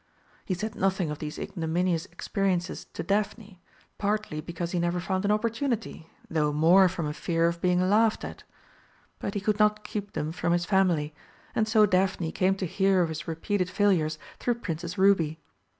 He said nothing of these ignominious experiences to Daphne, partly because he never found an opportunity, though more from a fear of being laughed at. But he could not keep them from his family, and so Daphne came to hear of his repeated failures through Princess Ruby.